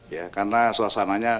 ya karena suasananya